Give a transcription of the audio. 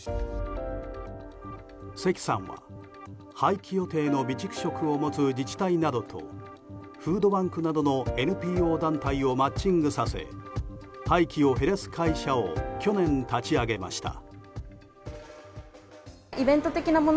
関さんは、廃棄予定の備蓄食を持つ自治体などとフードバンクなどのＮＰＯ団体をマッチングさせ廃棄を減らす会社を去年、立ち上げました。